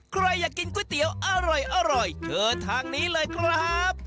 ใครอยากกินก๋วยเตี๋ยวอร่อยเชิญทางนี้เลยครับ